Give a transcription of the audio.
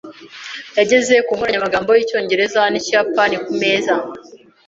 Yageze ku nkoranyamagambo y'Icyongereza n'Ikiyapani ku meza.